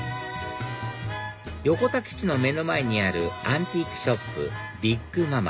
横田基地の目の前にあるアンティークショップ